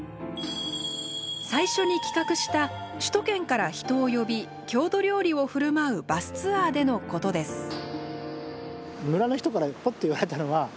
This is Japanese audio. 最初に企画した首都圏から人を呼び郷土料理を振る舞うバスツアーでのことです。